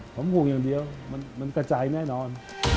ผมห่วงอย่างเดียวมันกระจายแน่นอน